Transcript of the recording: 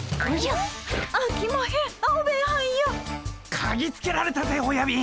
かぎつけられたぜおやびん。